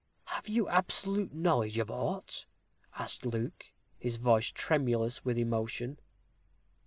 "Have you absolute knowledge of aught?" asked Luke, his voice tremulous with emotion.